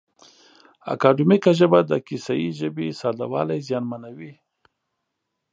اکاډیمیکه ژبه د کیسه یي ژبې ساده والی زیانمنوي.